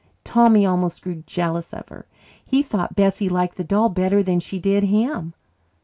Tommy almost grew jealous of her; he thought Bessie liked the doll better than she did him.